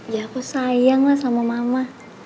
ya aku sayang lah sama mama